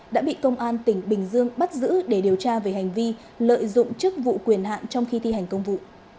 đã bị công an tỉnh bình dương bắt giữ để điều tra về hành vi lợi dụng chức vụ quyền hạn trong khi thi hành công vụ